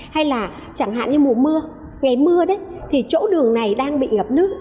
hay là chẳng hạn như mùa mưa ngày mưa đấy thì chỗ đường này đang bị ngập nước